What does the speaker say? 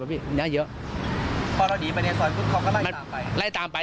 ปะพี่น่าเยอะพอเราหลีไปในซอยพูดเขาก็ไล่ตามไปไล่ตามไป